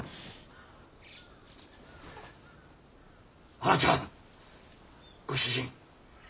はなちゃん！ご主人！